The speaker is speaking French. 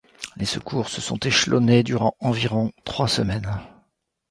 Les secours se sont échelonnés durant environ trois semaines.